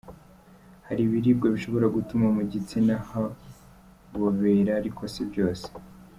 Hari ibiribwa bishobora gutuma mu gitsina habobera , ariko si byose .